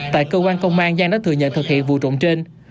tại cơ quan công an giang đã thừa nhận thực hiện vụ trộm trên